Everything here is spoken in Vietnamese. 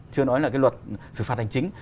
chưa nói là cái luật xử phạt hành chính